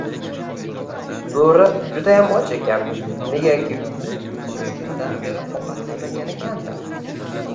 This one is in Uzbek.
Boʻri judayam och ekan, negaki u uch kundan beri ovqat yemagan ekan-da